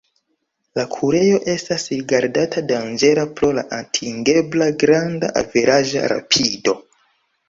La kurejo estas rigardata danĝera pro la atingebla granda averaĝa rapido.